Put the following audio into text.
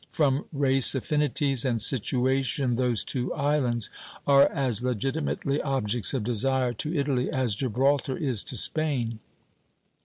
From race affinities and situation those two islands are as legitimately objects of desire to Italy as Gibraltar is to Spain.